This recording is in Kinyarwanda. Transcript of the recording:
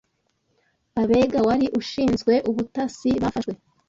Abega wari ushinzwe ubutasi, bafashwe